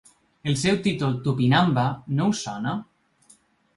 El seu títol “Tupinamba”, no us sona?